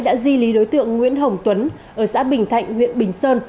đã di lý đối tượng nguyễn hồng tuấn ở xã bình thạnh huyện bình sơn